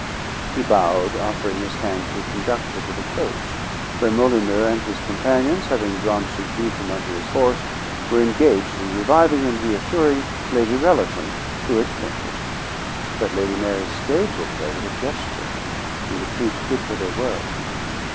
He bowed, offering his hand to conduct her to the coach, where Molyneux and his companions, having drawn Sir Hugh from under his horse, were engaged in reviving and reassuring Lady Rellerton, who had fainted. But Lady Mary stayed Beaucaire with a gesture, and the two stood where they were.